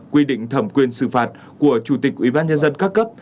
quy định thẩm quyền xử phạt của chủ tịch uban nhân dân các cấp